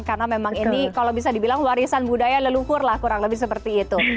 karena memang ini kalau bisa dibilang warisan budaya lelukur lah kurang lebih seperti itu